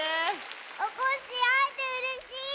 おこっしぃあえてうれしい。